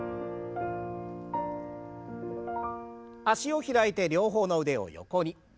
脚を開いて両方の腕を横に。